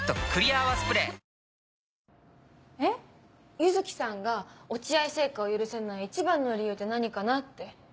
柚木さんが落合製菓を許せない一番の理由って何かなって。